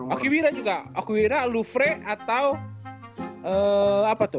okiwira juga okiwira lufre atau apa tuh